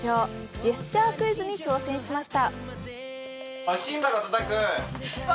ジェスチャークイズに登場しました。